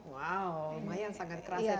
wow lumayan sangat keras